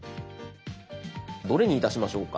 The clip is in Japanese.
どれにいたしましょうか？